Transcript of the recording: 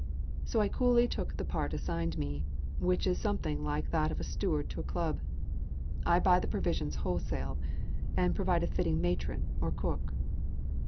So I coolly took the part assigned to me, which is something like that of a steward to a club. I buy in the provisions wholesale, and provide a fitting matron or cook."